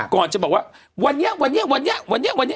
ก่อนจะบอกว่าวันนี้วันนี้วันนี้วันนี้วันนี้